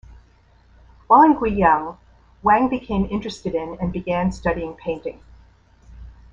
While in Guiyang, Wang became interested in and began studying painting.